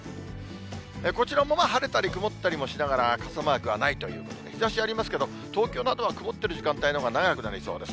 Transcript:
こちらも晴れたり曇ったりもしながら、傘マークはないということで、日ざしありますけど、東京などは曇ってる時間帯のほうが長くなりそうです。